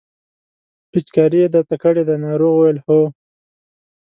پېچکاري یې درته کړې ده ناروغ وویل هو.